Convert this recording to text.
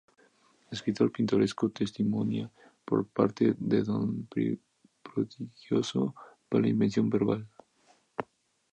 Escritor pintoresco, testimonia por otra parte un don prodigioso para la invención verbal.